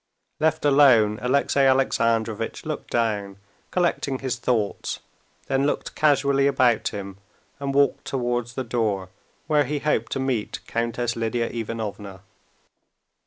Left alone, Alexey Alexandrovitch looked down, collecting his thoughts, then looked casually about him and walked towards the door, where he hoped to meet Countess Lidia Ivanovna.